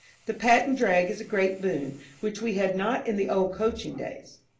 The patent drag is a great boon, which we had not in the old coaching days.